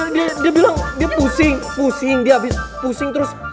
eh dia dia bilang dia pusing pusing dia abis pusing terus